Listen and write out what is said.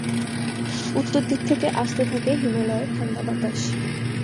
উত্তর দিক থেকে আসতে থাকে হিমালয়ের ঠান্ডা বাতাস।